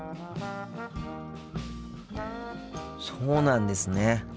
そうなんですね。